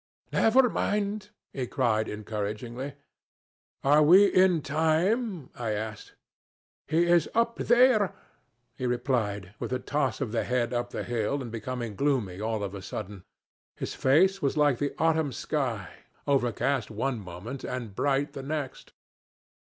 'Never mind!' he cried encouragingly. 'Are we in time?' I asked. 'He is up there,' he replied, with a toss of the head up the hill, and becoming gloomy all of a sudden. His face was like the autumn sky, overcast one moment and bright the next.